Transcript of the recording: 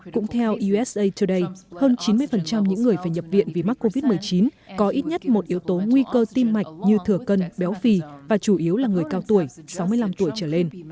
cũng theo usa today hơn chín mươi những người phải nhập viện vì mắc covid một mươi chín có ít nhất một yếu tố nguy cơ tim mạch như thừa cân béo phì và chủ yếu là người cao tuổi sáu mươi năm tuổi trở lên